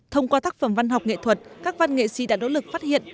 thông qua tác phẩm văn học nghệ thuật các văn nghệ sĩ đã nỗ lực phát hiện